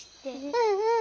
うんうん。